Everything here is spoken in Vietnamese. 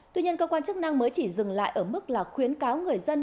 tuy nhiên cơ quan chức năng mới chỉ dừng lại ở mức là khuyến cáo người dân